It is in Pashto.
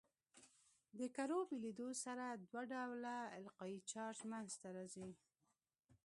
د کرو بېلېدو سره دوه ډوله القایي چارج منځ ته راځي.